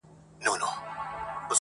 ما په سهار لس رکاته کړي وي.